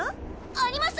あります！